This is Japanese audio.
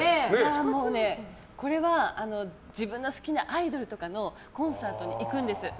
もうね、これは自分の好きなアイドルとかのコンサートに行くんです。